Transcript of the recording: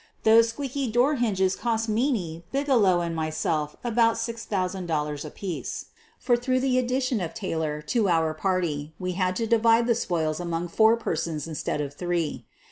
Those squeaky door hinges cost Meaney, Bigelow, and myself about $6,000 apiece, for through the addition of Taylor to our party we had to divide the spoils among four persons instead of three.